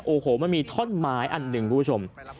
โอ้โหมันมีท่อนไม้อันหนึ่งคุณผู้ชม